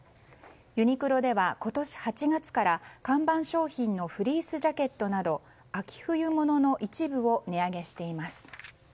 ユニクロでは今年８月から看板商品のフリースジャケットなど秋冬物の一部を値上げしています。